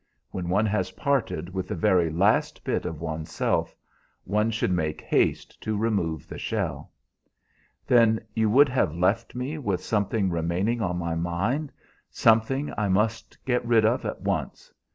When one has parted with the very last bit of one's self, one should make haste to remove the shell." "Then you would have left me with something remaining on my mind, something I must get rid of at once.